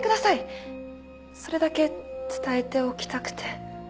それだけ伝えておきたくて。